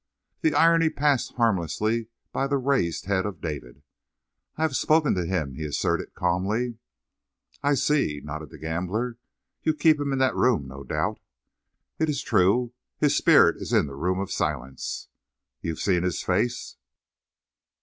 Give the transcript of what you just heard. The irony passed harmless by the raised head of David. "I have spoken to Him," he asserted calmly. "I see," nodded the gambler. "You keep Him in that room, no doubt?" "It is true. His spirit is in the Room of Silence." "You've seen His face?"